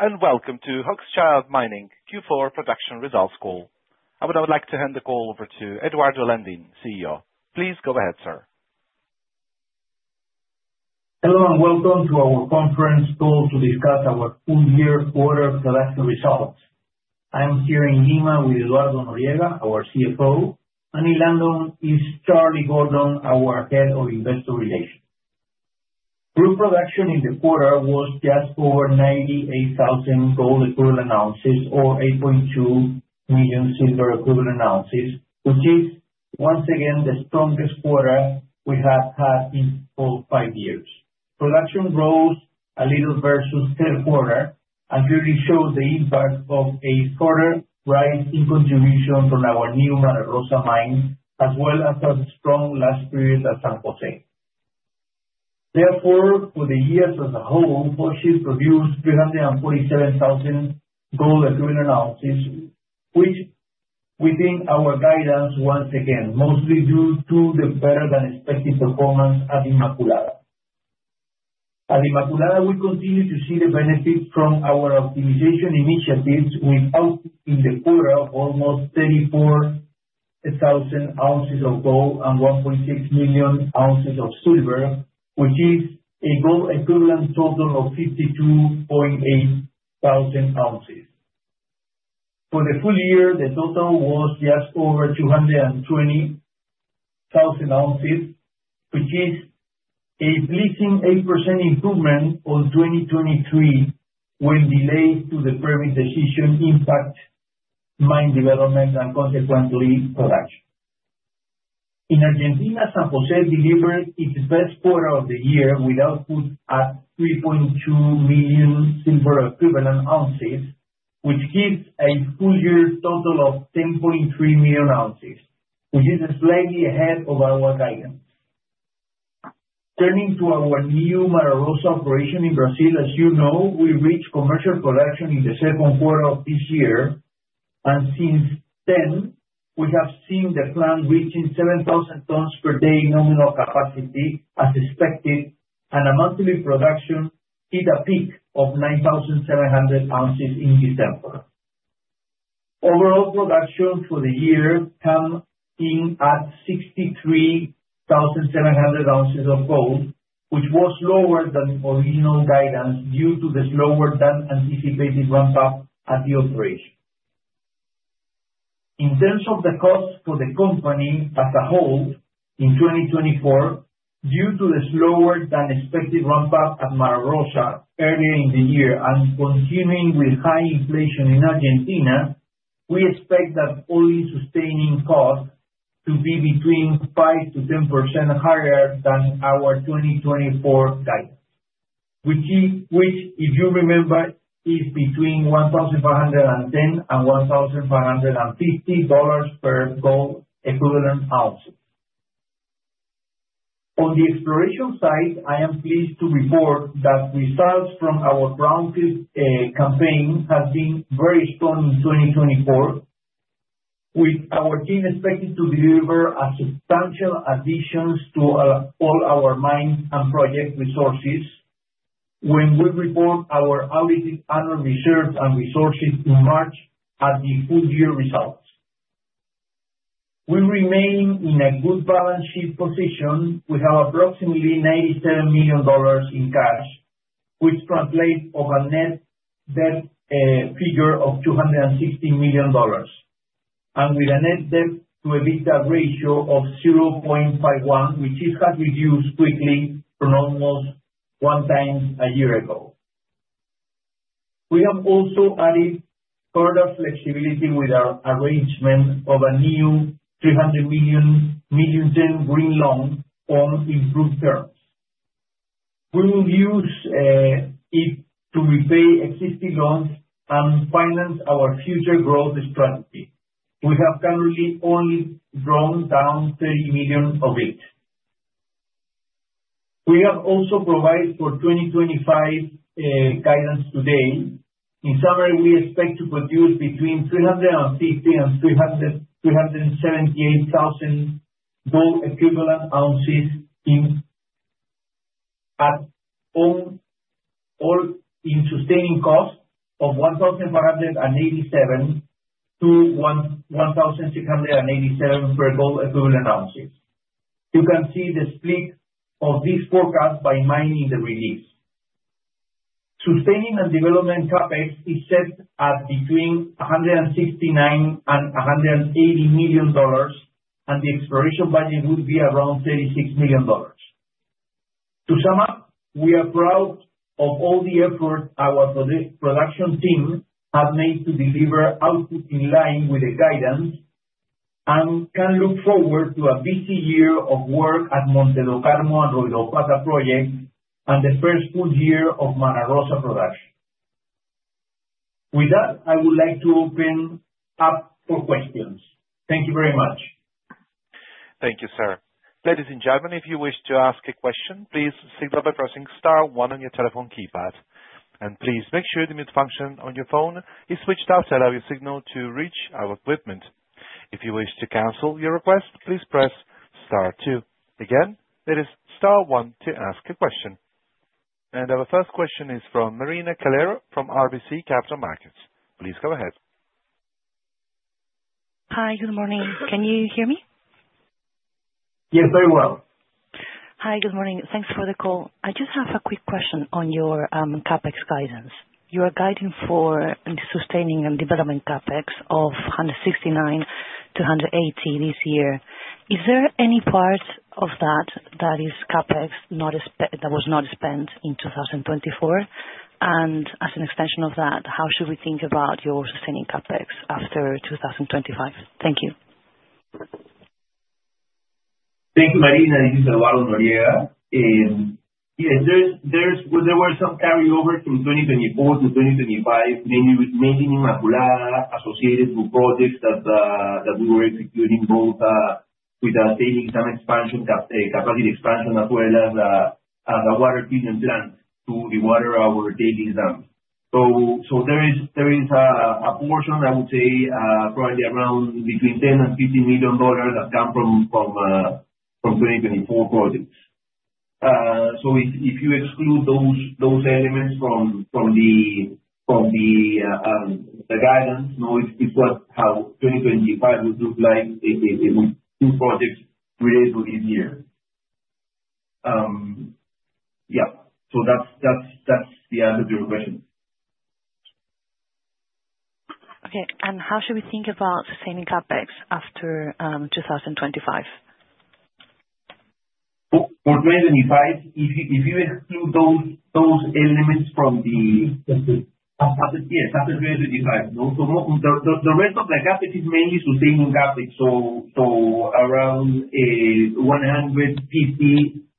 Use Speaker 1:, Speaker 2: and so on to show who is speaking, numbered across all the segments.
Speaker 1: Hello and welcome to Hochschild Mining Q4 Production Results Call. I would now like to hand the call over to Eduardo Landin, CEO. Please go ahead, sir.
Speaker 2: Hello and welcome to our conference call to discuss our full-year quarter production results. I'm here in Lima with Eduardo Noriega, our CFO, and in London is Charlie Gordon, our Head of Investor Relations. Group production in the quarter was just over 98,000 gold equivalent ounces or 8.2 million silver equivalent ounces, which is, once again, the strongest quarter we have had in all five years. Production grows a little versus third quarter and clearly shows the impact of a further rise in contribution from our new Mara Rosa mine, as well as a strong last period at San José. Therefore, for the year as a whole, Hochschild produced 347,000 gold equivalent ounces, which is within our guidance, once again, mostly due to the better-than-expected performance at Inmaculada. At Inmaculada, we continue to see the benefit from our optimization initiatives with output in the quarter of almost 34,000 ounces of gold and 1.6 million ounces of silver, which is a gold equivalent total of 52,800 ounces. For the full year, the total was just over 220,000 ounces, which is a pleasing 8% improvement on 2023, when delays to the permit decision impacted mine development and consequently production. In Argentina, San José delivered its best quarter of the year with output at 3.2 million silver equivalent ounces, which gives a full-year total of 10.3 million ounces, which is slightly ahead of our guidance. Turning to our new Mara Rosa operation in Brazil, as you know, we reached commercial production in the second quarter of this year, and since then, we have seen the plant reaching 7,000 tons per day nominal capacity as expected, and a monthly production hit a peak of 9,700 ounces in December. Overall production for the year came in at 63,700 ounces of gold, which was lower than original guidance due to the slower-than-anticipated ramp-up at the operation. In terms of the cost for the company as a whole in 2024, due to the slower-than-expected ramp-up at Mara Rosa earlier in the year and continuing with high inflation in Argentina, we expect that all-in sustaining costs to be between 5% to 10% higher than our 2024 guidance, which, if you remember, is between $1,510-$1,550 per gold equivalent ounce. On the exploration side, I am pleased to report that results from our brownfield campaign have been very strong in 2024, with our team expected to deliver a substantial addition to all our mines and project resources when we report our audited annual reserves and resources in March at the full-year results. We remain in a good balance sheet position. We have approximately $97 million in cash, which translates to a net debt figure of $260 million, and with a net debt-to-EBITDA ratio of 0.51, which has reduced quickly from almost one time a year ago. We have also added further flexibility with our arrangement of a new $300 million green loan on improved terms. We will use it to repay existing loans and finance our future growth strategy. We have currently only drawn down $30 million of it. We have also provided for 2025 guidance today. In summary, we expect to produce between 350,000 and 378,000 gold equivalent ounces at all-in sustaining costs of $1,587-$1,687 per gold equivalent ounce. You can see the split of this forecast by mine in the release. Sustaining and development CAPEX is set at between $169 million and $180 million, and the exploration budget would be around $36 million. To sum up, we are proud of all the efforts our production team has made to deliver output in line with the guidance and can look forward to a busy year of work at Monte do Carmo and Royropata projects and the first full year of Mara Rosa production. With that, I would like to open up for questions. Thank you very much.
Speaker 1: Thank you, sir. Ladies and gentlemen, if you wish to ask a question, please signal by pressing Star 1 on your telephone keypad. And please make sure the mute function on your phone is switched off to allow your signal to reach our equipment. If you wish to cancel your request, please press Star 2. Again, it is Star 1 to ask a question. And our first question is from Marina Calero from RBC Capital Markets. Please go ahead.
Speaker 3: Hi, good morning. Can you hear me?
Speaker 2: Yes, very well.
Speaker 3: Hi, good morning. Thanks for the call. I just have a quick question on your CapEx guidance. You are guiding for sustaining and development CapEx of $169-$180 million this year. Is there any part of that that is CapEx that was not spent in 2024? And as an extension of that, how should we think about your sustaining CapEx after 2025? Thank you.
Speaker 2: Thank you, Marina. I'm Eduardo Noriega. Yes, there were some carryovers from 2024 to 2025, mainly with the Inmaculada associated with projects that we were executing both with our tailings dam expansion, capacity expansion, as well as a water treatment plant to dewater our tailings dams. So there is a portion, I would say, probably around between $10 million and $15 million that come from 2024 projects. So if you exclude those elements from the guidance, it's what 2025 would look like with two projects related to this year. Yeah, so that's the answer to your question.
Speaker 3: Okay, and how should we think about sustaining CapEx after 2025?
Speaker 2: For 2025, if you exclude those elements from the CAPEX, yes, after 2025. The rest of the CAPEX is mainly sustaining CAPEX, so around $150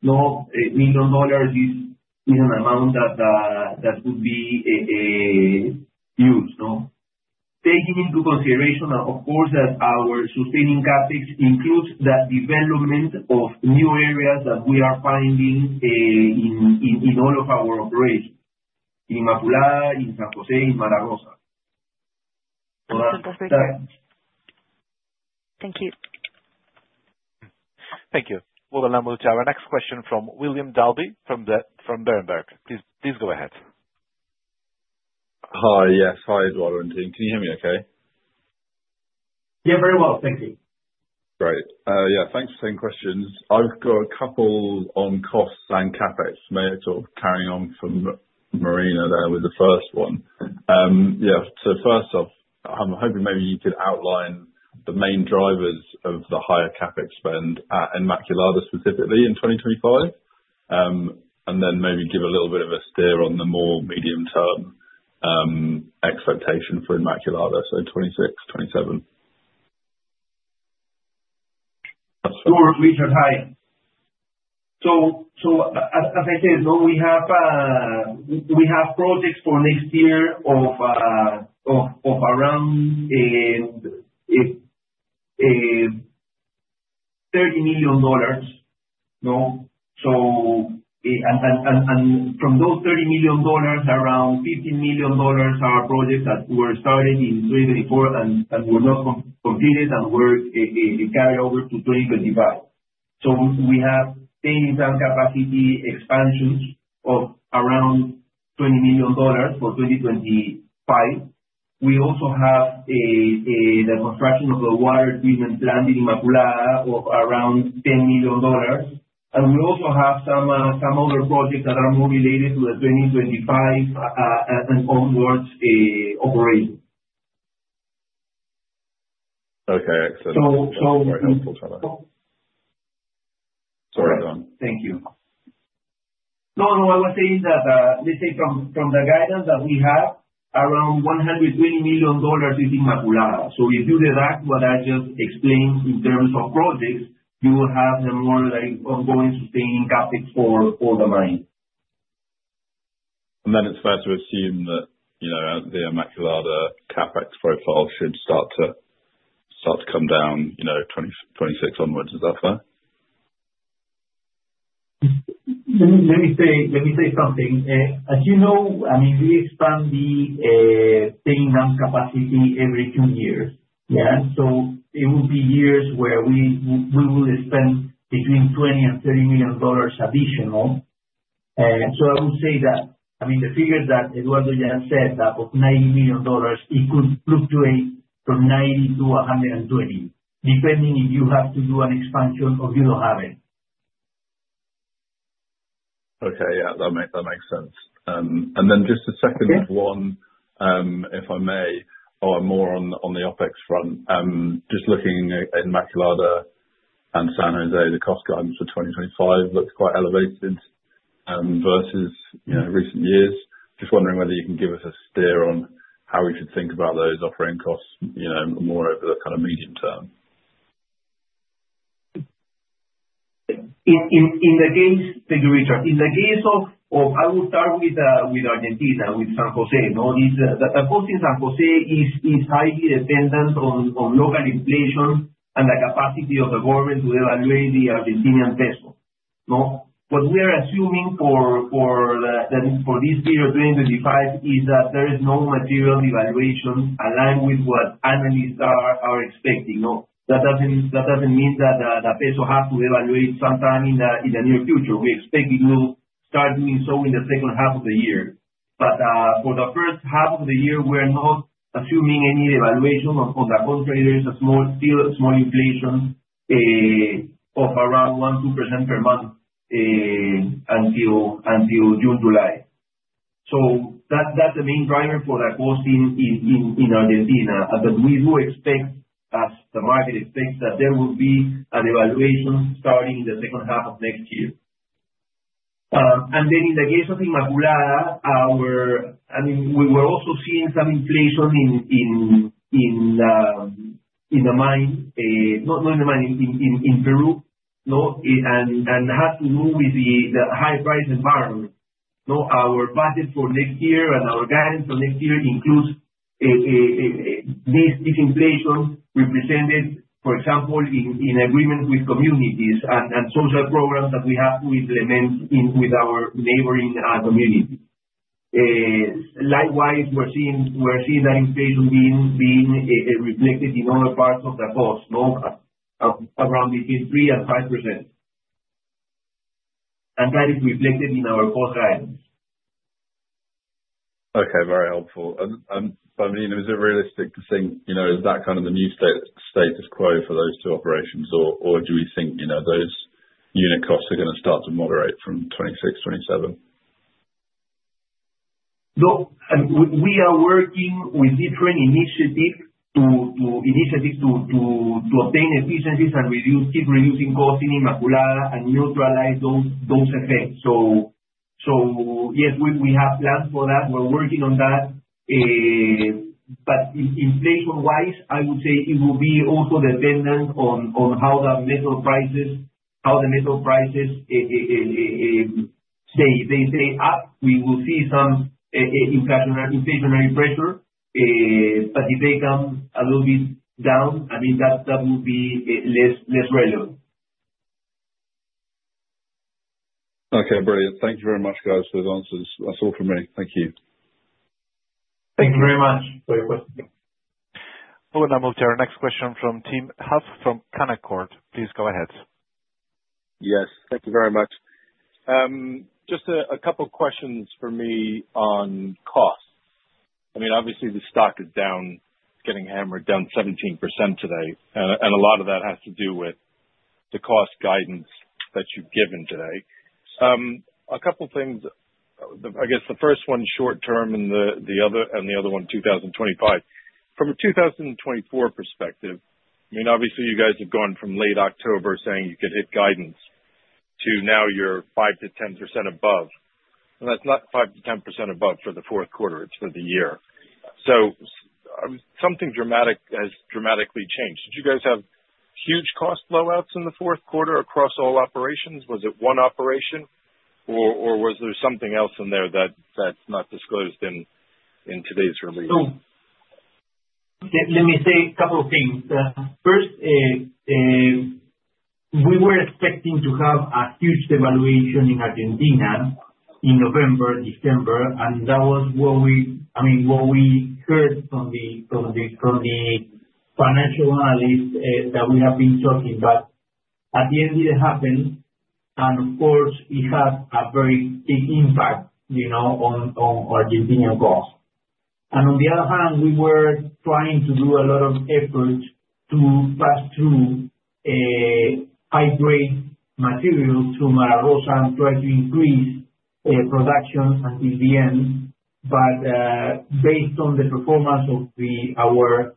Speaker 2: million is an amount that would be used. Taking into consideration, of course, that our sustaining CAPEX includes the development of new areas that we are finding in all of our operations: Inmaculada, in San José, in Mara Rosa.
Speaker 3: That's fantastic. Thank you.
Speaker 1: Thank you. We'll now take our next question from William Dalby from Berenberg. Please go ahead.
Speaker 4: Hi, yes. Hi, Eduardo Landin. Can you hear me okay?
Speaker 2: Yeah, very well. Thank you.
Speaker 4: Great. Yeah, thanks for taking questions. I've got a couple on costs and CAPEX. May I sort of carry on from Marina there with the first one? Yeah, so first off, I'm hoping maybe you could outline the main drivers of the higher CAPEX spend at Inmaculada specifically in 2025, and then maybe give a little bit of a steer on the more medium-term expectation for Inmaculada, so 2026, 2027.
Speaker 2: Sure, Richard. Hi. So as I said, we have projects for next year of around $30 million. And from those $30 million, around $15 million are projects that were started in 2024 and were not completed and were carried over to 2025. So we have tailings dam capacity expansions of around $20 million for 2025. We also have the construction of the water treatment plant in Inmaculada of around $10 million. And we also have some other projects that are more related to the 2025 and onwards operation.
Speaker 4: Okay, excellent. That's very helpful. Sorry, John.
Speaker 2: Thank you. No, no, I was saying that, let's say, from the guidance that we have, around $120 million is Inmaculada. So if you deduct what I just explained in terms of projects, you will have more ongoing sustaining CAPEX for the mine.
Speaker 4: And then it's fair to assume that the Inmaculada CAPEX profile should start to come down 26 onwards. Is that fair?
Speaker 5: Let me say something. As you know, I mean, we expand the tailings dam capacity every two years. Yeah, so it will be years where we will expend between $20 million and $30 million additional. So I would say that, I mean, the figures that Eduardo just said, that of $90 million, it could fluctuate from $90 million to $120 million, depending if you have to do an expansion or you don't have it.
Speaker 4: Okay, yeah, that makes sense. And then just a second one, if I may, or more on the OpEx front, just looking at Inmaculada and San José, the cost guidance for 2025 looks quite elevated versus recent years. Just wondering whether you can give us a steer on how we should think about those operating costs more over the kind of medium term?
Speaker 2: In the case, Richard, in the case of I will start with Argentina, with San José. The cost in San José is highly dependent on local inflation and the capacity of the government to devalue the Argentine peso. What we are assuming for this year 2025 is that there is no material devaluation aligned with what analysts are expecting. That doesn't mean that the peso has to devalue sometime in the near future. We expect it will start doing so in the second half of the year. But for the first half of the year, we are not assuming any devaluation on the contractors, a small inflation of around 1-2% per month until June, July. So that's the main driver for the cost in Argentina. But we do expect, as the market expects, that there will be a devaluation starting in the second half of next year. And then in the case of Inmaculada, I mean, we were also seeing some inflation in the mine, not in the mine, in Peru, and has to do with the high price environment. Our budget for next year and our guidance for next year includes this inflation represented, for example, in agreement with communities and social programs that we have to implement with our neighboring communities. Likewise, we're seeing that inflation being reflected in other parts of the cost, around between 3% and 5%. And that is reflected in our cost guidance.
Speaker 4: Okay, very helpful. And Marina, is it realistic to think, is that kind of the new status quo for those two operations, or do we think those unit costs are going to start to moderate from 26, 27?
Speaker 2: No, we are working with different initiatives to obtain efficiencies and keep reducing costs in Inmaculada and neutralize those effects. So yes, we have plans for that. We're working on that. But inflation-wise, I would say it will be also dependent on how the metal prices stay. They stay up, we will see some inflationary pressure, but if they come a little bit down, I mean, that will be less relevant.
Speaker 4: Okay, brilliant. Thank you very much, guys, for the answers. That's all from me. Thank you.
Speaker 2: Thank you very much for your questions.
Speaker 1: We'll now move to our next question from Tim Huff from Canaccord. Please go ahead.
Speaker 6: Yes, thank you very much. Just a couple of questions for me on costs. I mean, obviously, the stock is down, getting hammered down 17% today. And a lot of that has to do with the cost guidance that you've given today. A couple of things, I guess the first one short term and the other one 2025. From a 2024 perspective, I mean, obviously, you guys have gone from late October saying you could hit guidance to now you're 5%-10% above. And that's not 5%-10% above for the fourth quarter, it's for the year. So something dramatic has dramatically changed. Did you guys have huge cost blowouts in the fourth quarter across all operations? Was it one operation, or was there something else in there that's not disclosed in today's release?
Speaker 2: So let me say a couple of things. First, we were expecting to have a huge devaluation in Argentina in November, December, and that was what we, I mean, what we heard from the financial analysts that we have been talking about. At the end, it happened, and of course, it had a very big impact on Argentinian costs. And on the other hand, we were trying to do a lot of efforts to pass through high-grade materials to Mara Rosa and try to increase production until the end. But based on the performance of our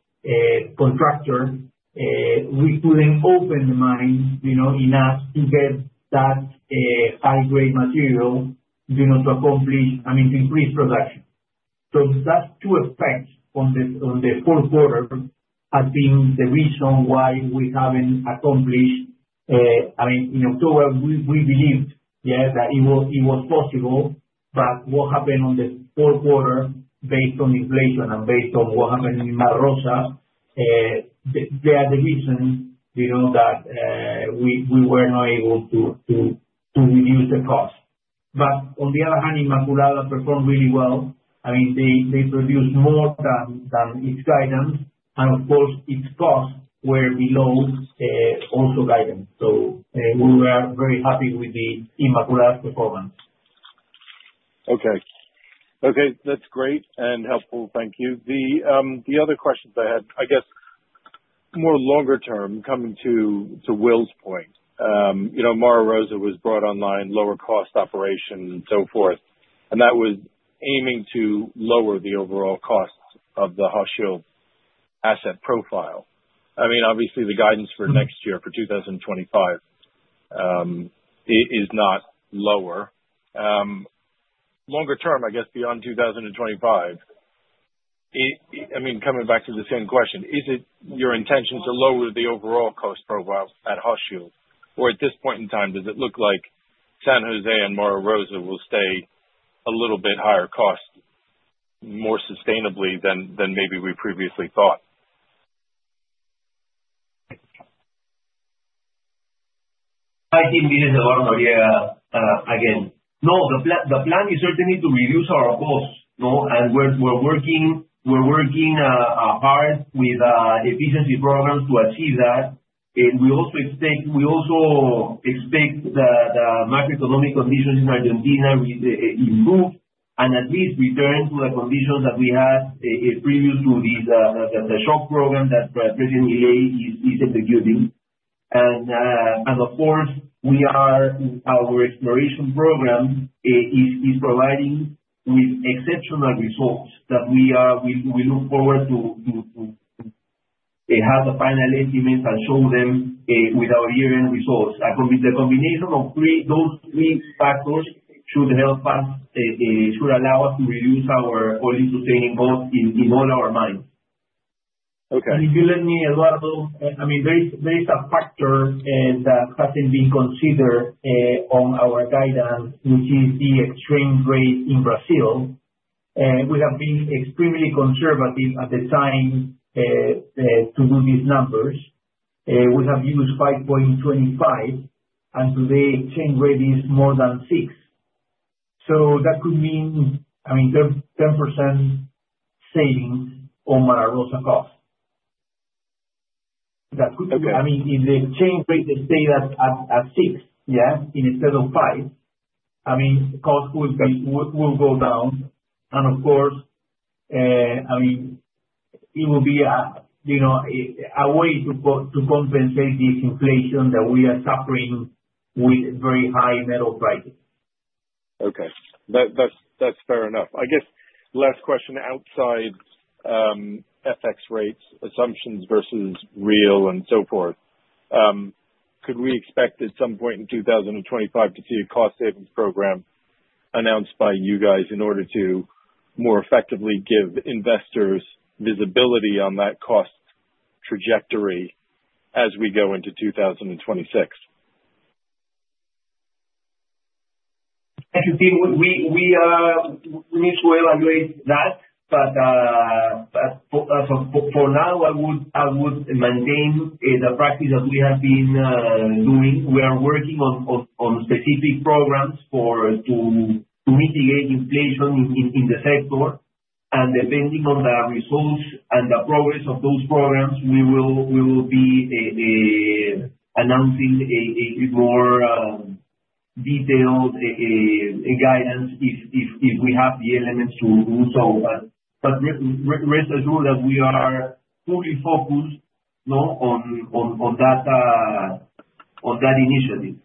Speaker 2: contractor, we couldn't open the mine enough to get that high-grade material to accomplish, I mean, to increase production. So that's two effects on the fourth quarter has been the reason why we haven't accomplished. I mean, in October, we believed that it was possible, but what happened on the fourth quarter based on inflation and based on what happened in Mara Rosa, they are the reason that we were not able to reduce the cost, but on the other hand, Inmaculada performed really well. I mean, they produced more than its guidance, and of course, its costs were below also guidance, so we were very happy with the Inmaculada's performance.
Speaker 6: Okay. Okay, that's great and helpful. Thank you. The other questions I had, I guess, more longer-term coming to Will's point. Mara Rosa was brought online, lower cost operation, and so forth. And that was aiming to lower the overall costs of the Hochschild asset profile. I mean, obviously, the guidance for next year, for 2025, is not lower. Longer-term, I guess, beyond 2025, I mean, coming back to the same question, is it your intention to lower the overall cost profile at Hochschild? Or at this point in time, does it look like San José and Mara Rosa will stay a little bit higher cost more sustainably than maybe we previously thought?
Speaker 2: Hi, it's Eduardo Noriega again, no, the plan is certainly to reduce our costs. And we're working hard with efficiency programs to achieve that. And we also expect the macroeconomic conditions in Argentina improve and at least return to the conditions that we had previous to the shock program that President Milei is executing. And of course, our exploration program is providing with exceptional results that we look forward to have the final estimates and show them with our year-end results. The combination of those three factors should help us, should allow us to reduce our all-in sustaining costs in all our mines. If you let me, Eduardo, I mean, there is a factor that hasn't been considered on our guidance, which is the exchange rate in Brazil. We have been extremely conservative at the time to do these numbers. We have used 5.25, and today exchange rate is more than 6. That could mean, I mean, 10% savings on Mara Rosa costs. I mean, if the exchange rate stays at 6, yeah, instead of 5, I mean, costs will go down. Of course, I mean, it will be a way to compensate the inflation that we are suffering with very high metal prices.
Speaker 6: Okay. That's fair enough. I guess last question outside FX rates, assumptions versus real, and so forth. Could we expect at some point in 2025 to see a cost savings program announced by you guys in order to more effectively give investors visibility on that cost trajectory as we go into 2026?
Speaker 2: We need to evaluate that. But for now, I would maintain the practice that we have been doing. We are working on specific programs to mitigate inflation in the sector. And depending on the results and the progress of those programs, we will be announcing a more detailed guidance if we have the elements to do so. But rest assured that we are fully focused on that initiative.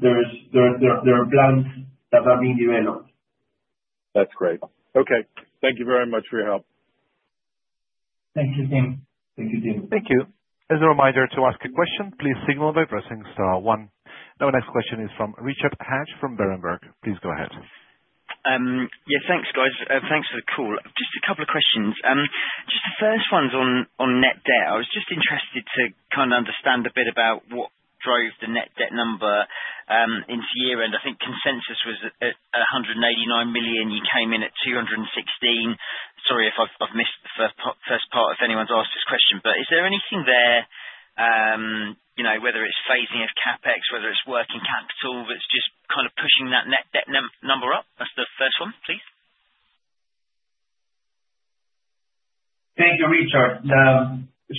Speaker 2: There are plans that are being developed.
Speaker 6: That's great. Okay. Thank you very much for your help.
Speaker 2: Thank you, Tim. Thank you, Tim.
Speaker 1: Thank you. As a reminder, to ask a question, please signal by pressing star one. Now, our next question is from Richard Hatch from Berenberg. Please go ahead.
Speaker 7: Yes, thanks, guys. Thanks for the call. Just a couple of questions. Just the first one's on net debt. I was just interested to kind of understand a bit about what drove the net debt number into year-end. I think consensus was at $189 million. You came in at $216 million. Sorry if I've missed the first part if anyone's asked this question. But is there anything there, whether it's phasing of CAPEX, whether it's working capital, that's just kind of pushing that net debt number up? That's the first one, please.
Speaker 2: Thank you, Richard.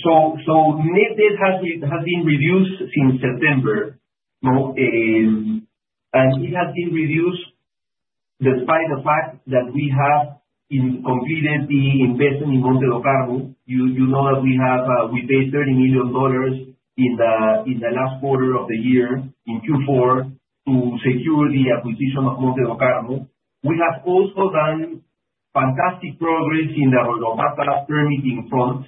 Speaker 2: So net debt has been reduced since September. And it has been reduced despite the fact that we have completed the investment in Monte do Carmo. You know that we paid $30 million in the last quarter of the year in Q4 to secure the acquisition of Monte do Carmo. We have also done fantastic progress in the Royropata permitting front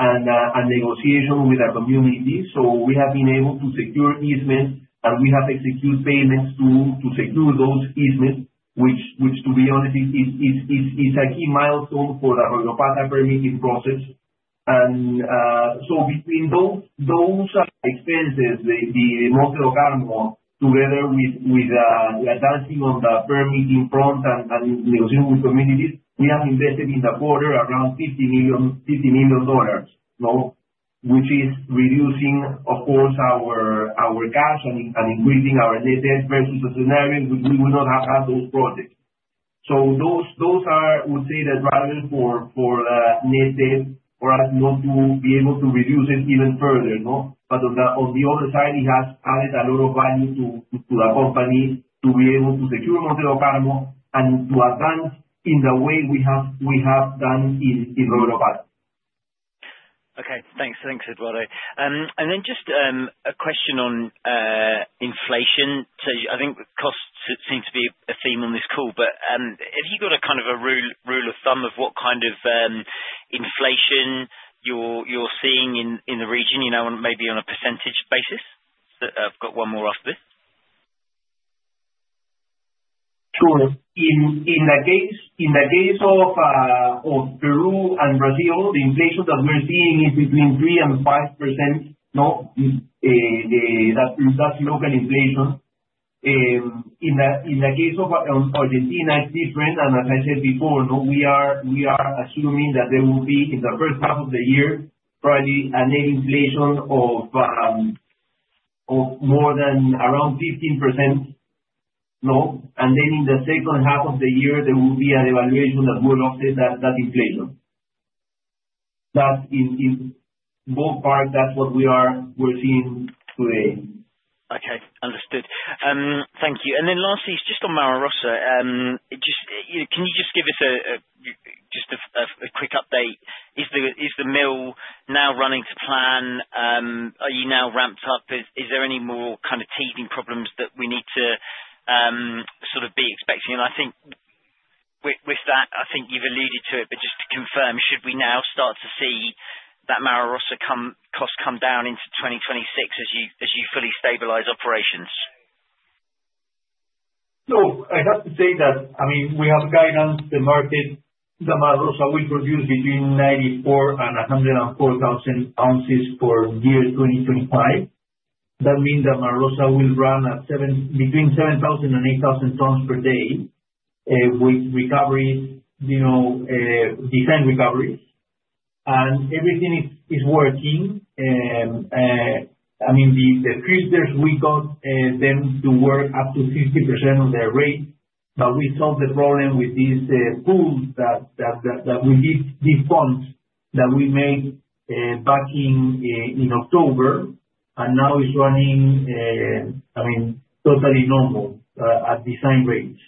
Speaker 2: and negotiation with our community. So we have been able to secure easements, and we have executed payments to secure those easements, which, to be honest, is a key milestone for the Royropata permitting process. And so between those expenses, the Monte do Carmo, together with advancing on the permitting front and negotiating with communities, we have invested in the quarter around $50 million, which is reducing, of course, our cash and increasing our net debt versus a scenario where we would not have had those projects. So those are, I would say, the drivers for the net debt for us not to be able to reduce it even further. But on the other side, it has added a lot of value to the company to be able to secure Monte do Carmo and to advance in the way we have done in Royropata.
Speaker 7: Okay. Thanks. Thanks, Eduardo. And then just a question on inflation. So I think costs seem to be a theme on this call. But have you got a kind of a rule of thumb of what kind of inflation you're seeing in the region, maybe on a percentage basis? I've got one more after this.
Speaker 2: Sure. In the case of Peru and Brazil, the inflation that we're seeing is between 3% and 5%. That's local inflation. In the case of Argentina, it's different. And as I said before, we are assuming that there will be, in the first half of the year, probably a net inflation of more than around 15%. And then in the second half of the year, there will be a devaluation that will offset that inflation. But in ballpark, that's what we are seeing today.
Speaker 7: Okay. Understood. Thank you. And then lastly, it's just on Mara Rosa. Can you just give us a quick update? Is the mill now running to plan? Are you now ramped up? Is there any more kind of teething problems that we need to sort of be expecting? And I think with that, I think you've alluded to it, but just to confirm, should we now start to see that Mara Rosa costs come down into 2026 as you fully stabilize operations?
Speaker 2: No. I have to say that, I mean, we have guidance. The Mara Rosa will produce between 94,000 and 104,000 ounces for year 2025. That means that Mara Rosa will run between 7,000 and 8,000 tons per day with recoveries, design recoveries. And everything is working. I mean, the filters, we got them to work up to 50% of their rate. But we solved the problem with these pools that we did, these funds that we made back in October, and now it's running, I mean, totally normal at design rates.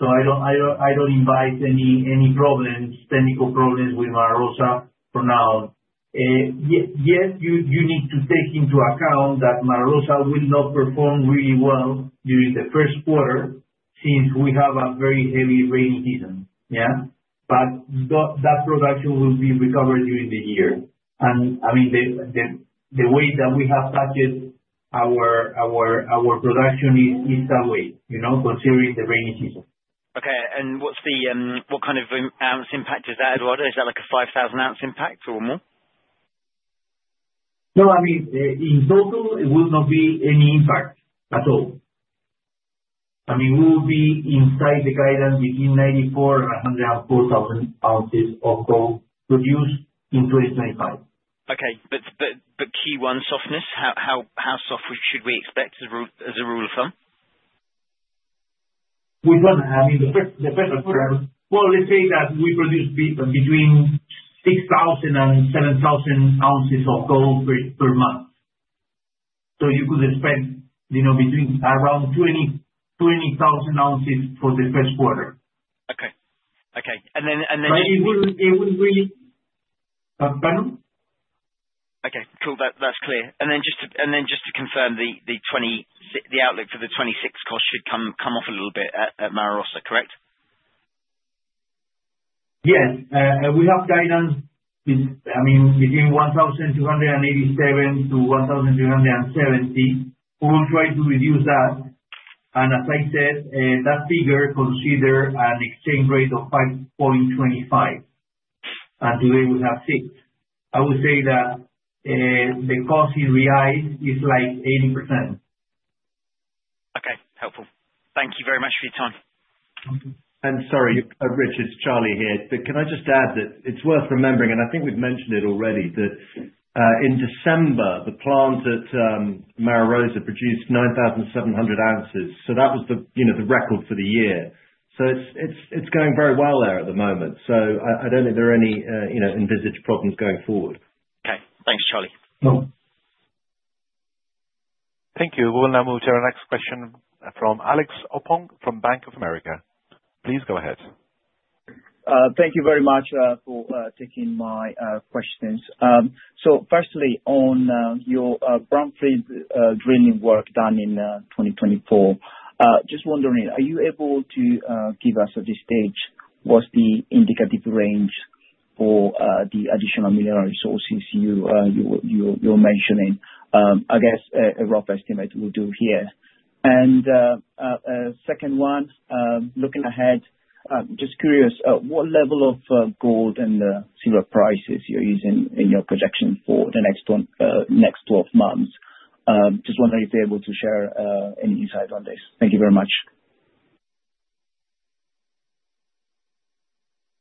Speaker 2: So I don't anticipate any technical problems with Mara Rosa for now. Yes, you need to take into account that Mara Rosa will not perform really well during the first quarter since we have a very heavy rainy season. Yeah? But that production will be recovered during the year. I mean, the way that we have packaged our production is that way, considering the rainy season.
Speaker 7: Okay. And what kind of ounce impact is that, Eduardo? Is that like a 5,000-ounce impact or more?
Speaker 2: No, I mean, in total, it will not be any impact at all. I mean, we will be inside the guidance between 94,000 and 104,000 ounces of gold produced in 2025.
Speaker 7: Okay. But key one, softness. How soft should we expect as a rule of thumb?
Speaker 2: Which one? I mean, the first quarter. Well, let's say that we produce between 6,000 and 7,000 ounces of gold per month. So you could expect between around 20,000 ounces for the first quarter.
Speaker 7: Okay. And then next.
Speaker 2: But it will really pardon?
Speaker 7: Okay. Cool. That's clear. And then just to confirm, the outlook for the 2026 costs should come off a little bit at Mara Rosa, correct?
Speaker 2: Yes. We have guidance, I mean, between 1,287 to 1,370. We will try to reduce that, and as I said, that figure considers an exchange rate of 5.25, and today we have 6. I would say that the cost in reais is like 80%.
Speaker 7: Okay. Helpful. Thank you very much for your time.
Speaker 8: And sorry, Richard, it's Charlie here. But can I just add that it's worth remembering, and I think we've mentioned it already, that in December, the plant at Mara Rosa produced 9,700 ounces. So that was the record for the year. So it's going very well there at the moment. So I don't think there are any envisaged problems going forward.
Speaker 7: Okay. Thanks, Charlie.
Speaker 2: No.
Speaker 1: Thank you. We will now move to our next question from Alex Opong from Bank of America. Please go ahead.
Speaker 9: Thank you very much for taking my questions. So firstly, on your brownfield drilling work done in 2024, just wondering, are you able to give us at this stage what's the indicative range for the additional mineral resources you're mentioning? I guess a rough estimate we'll do here. And second one, looking ahead, just curious, what level of gold and silver prices you're using in your projection for the next 12 months? Just wondering if you're able to share any insight on this. Thank you very much.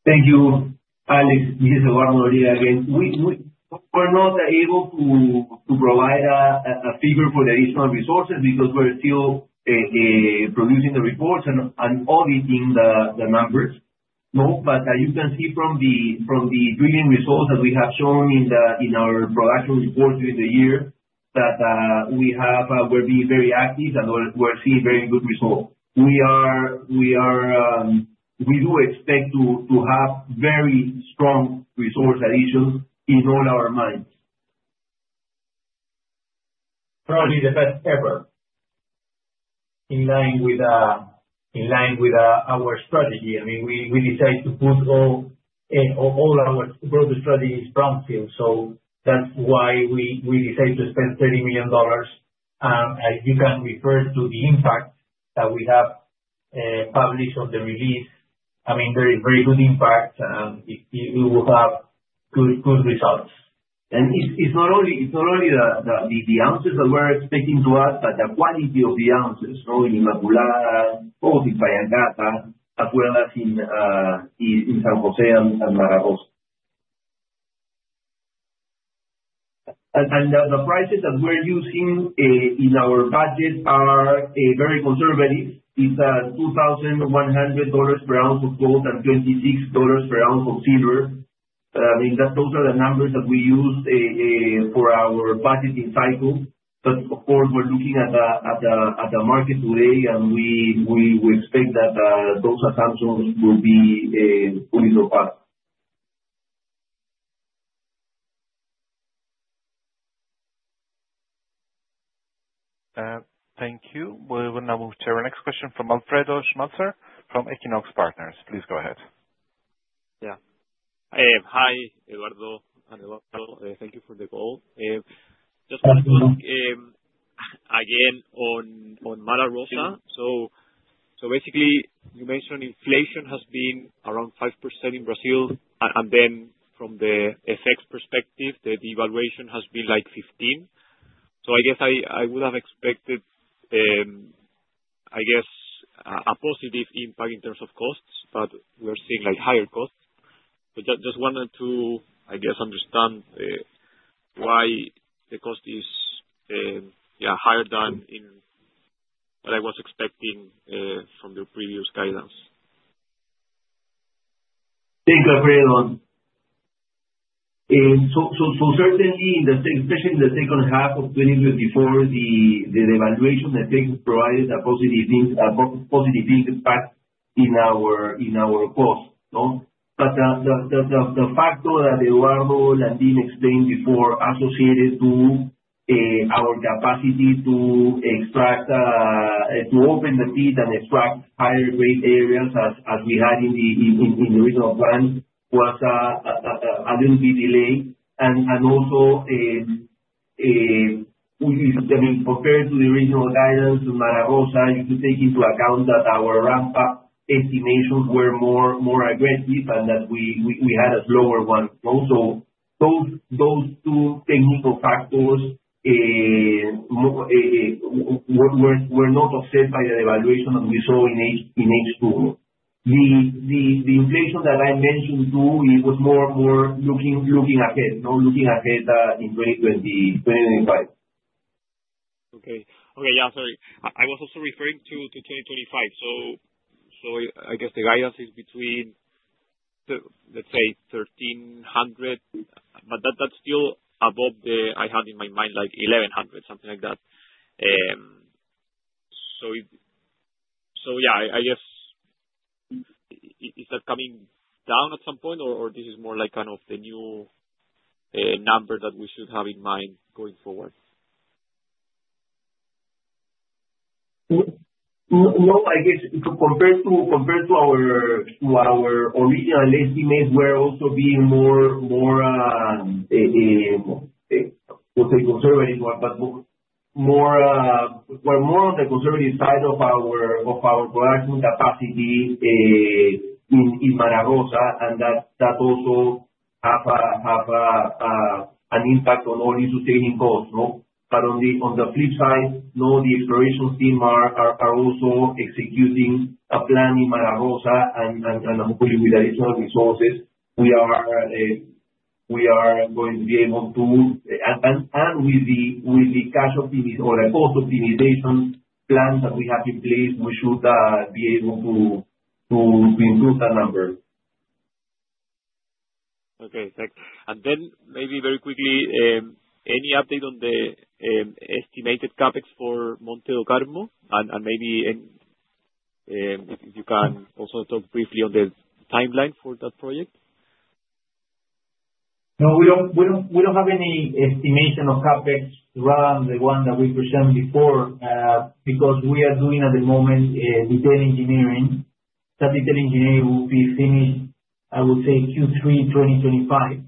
Speaker 2: Thank you, Alex, Mr. Eduardo Noriega, again. We're not able to provide a figure for the additional resources because we're still producing the reports and auditing the numbers. But you can see from the drilling results that we have shown in our production reports during the year that we're being very active and we're seeing very good results. We do expect to have very strong resource additions in all our mines. Probably the best ever in line with our strategy. I mean, we decided to put all our broader strategy is brownfields. So that's why we decided to spend $30 million. You can refer to the impact that we have published on the release. I mean, there is very good impact, and it will have good results. It's not only the ounces that we're expecting to add, but the quality of the ounces in Inmaculada, both in Pallancata, as well as in San José and Mara Rosa. The prices that we're using in our budget are very conservative. It's $2,100 per ounce of gold and $26 per ounce of silver. I mean, those are the numbers that we use for our budgeting cycle. Of course, we're looking at the market today, and we expect that those assumptions will be fully surpassed.
Speaker 1: Thank you. We will now move to our next question from Alfredo Schmalzer from Equinox Partners. Please go ahead.
Speaker 10: Yeah. Hi, Eduardo and Eduardo. Thank you for the call. Just wanted to ask again on Mara Rosa. So basically, you mentioned inflation has been around 5% in Brazil. And then from the FX perspective, the devaluation has been like 15. So I guess I would have expected, I guess, a positive impact in terms of costs, but we're seeing higher costs. But just wanted to, I guess, understand why the cost is, yeah, higher than what I was expecting from the previous guidance.
Speaker 5: Thank you, Alfredo. Certainly, especially in the second half of 2024, the devaluation that they provided a positive impact in our costs. But the factor that Eduardo Landin explained before associated to our capacity to open the pit and extract higher-grade areas as we had in the original plan was a little bit delayed. And also, I mean, compared to the original guidance on Mara Rosa, you could take into account that our ramp-up estimations were more aggressive and that we had a slower one. So those two technical factors were not offset by the devaluation that we saw in H2. The inflation that I mentioned too, it was more and more looking ahead in 2025.
Speaker 10: Okay. Okay. Yeah. Sorry. I was also referring to 2025. So I guess the guidance is between, let's say, 1,300, but that's still above the I had in my mind, like 1,100, something like that. So yeah, I guess, is that coming down at some point, or this is more like kind of the new number that we should have in mind going forward?
Speaker 2: No, I guess compared to our original estimates, we're also being more, we'll say, conservative, but we're more on the conservative side of our production capacity in Mara Rosa, and that also has an impact on All-In Sustaining Costs. But on the flip side, the exploration team are also executing a plan in Mara Rosa, and hopefully, with additional resources, we are going to be able to, and with the cost optimization plans that we have in place, we should be able to improve that number.
Speaker 10: Okay. Thanks. And then maybe very quickly, any update on the estimated CAPEX for Monte do Carmo? And maybe if you can also talk briefly on the timeline for that project.
Speaker 2: No, we don't have any estimation of CAPEX around the one that we presented before because we are doing at the moment detailed engineering. That detailed engineering will be finished, I would say, Q3 2025.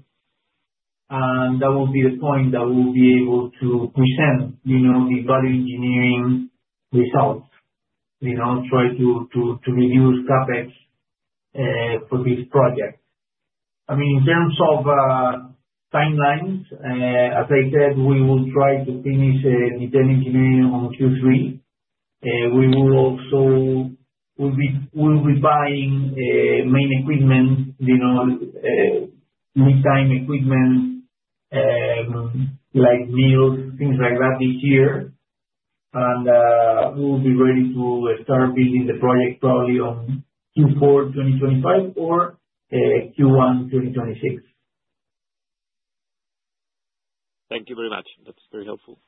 Speaker 2: And that will be the point that we will be able to present the value engineering results, try to reduce CAPEX for this project. I mean, in terms of timelines, as I said, we will try to finish detailed engineering on Q3. We will be buying main equipment, meantime equipment, like mills, things like that this year. And we will be ready to start building the project probably on Q4 2025 or Q1 2026.
Speaker 10: Thank you very much. That's very helpful.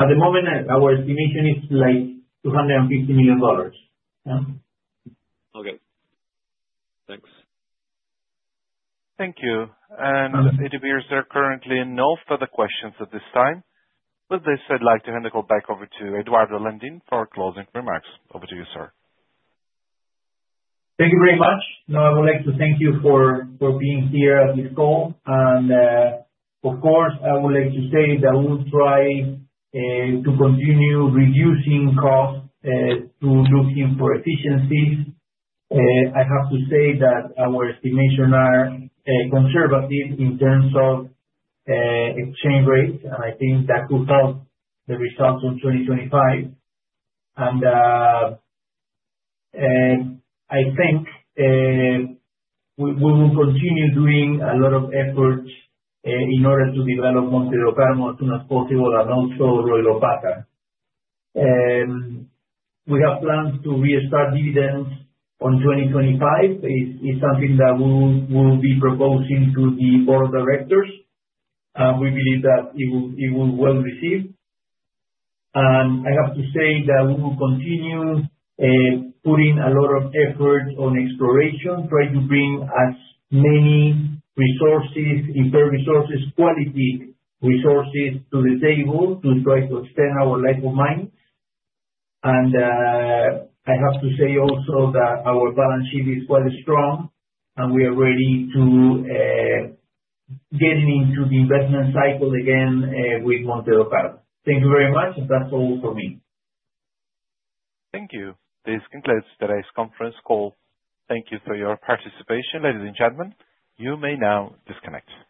Speaker 2: At the moment, our estimation is like $250 million.
Speaker 10: Okay. Thanks.
Speaker 1: Thank you. And it appears there are currently no further questions at this time. With this, I'd like to hand the call back over to Eduardo Landin for closing remarks. Over to you, sir.
Speaker 2: Thank you very much. No, I would like to thank you for being here at this call, and of course, I would like to say that we will try to continue reducing costs through looking for efficiencies. I have to say that our estimations are conservative in terms of exchange rates, and I think that could help the results in 2025, and I think we will continue doing a lot of efforts in order to develop Monte do Carmo as soon as possible and also Royropata. We have plans to restart dividends on 2025. It's something that we will be proposing to the board of directors. We believe that it will be well received. And I have to say that we will continue putting a lot of effort on exploration, trying to bring as many resources, inferred resources, quality resources to the table to try to extend our life of mine. And I have to say also that our balance sheet is quite strong, and we are ready to get into the investment cycle again with Monte do Carmo. Thank you very much, and that's all for me.
Speaker 1: Thank you. This concludes today's conference call. Thank you for your participation, ladies and gentlemen. You may now disconnect.